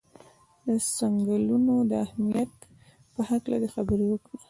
د څنګلونو د اهمیت په هکله دې خبرې وکړي.